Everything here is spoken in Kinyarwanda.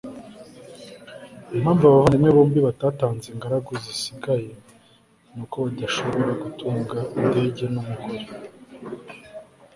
Impamvu abavandimwe bombi batanze ingaragu zisigaye ni uko badashobora gutunga indege numugore